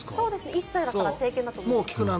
１歳だから成犬だと思います。